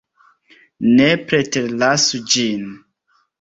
Ne preterlasu ĝin.